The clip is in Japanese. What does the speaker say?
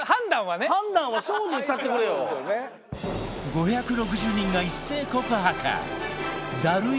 ５６０人が一斉告白ダルい